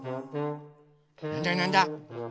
なんだなんだ？